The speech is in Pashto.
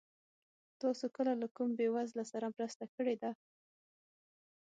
تاسو کله له کوم بېوزله سره مرسته کړې ده؟